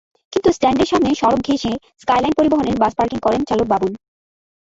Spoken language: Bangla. কিন্তু স্ট্যান্ডের সামনে সড়ক ঘেঁষে স্কাইলাইন পরিবহনের বাস পার্কিং করেন চালক বাবুল।